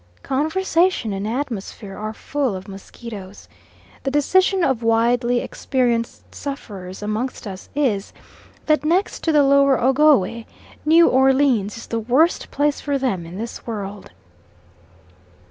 Conversation and atmosphere are full of mosquitoes. The decision of widely experienced sufferers amongst us is, that next to the lower Ogowe, New Orleans is the worst place for them in this world.